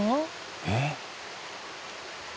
えっ？